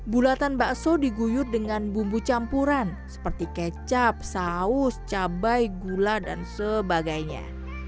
bulatan bakso diguyur dengan bumbu campuran seperti kecap saus cabai gula dan sebagainya